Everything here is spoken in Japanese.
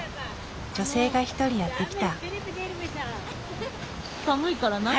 女性が一人やって来た。